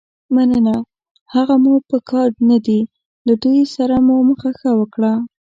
مننه، هغه مو په کار نه دي، له دوی سره مو مخه ښه وکړه.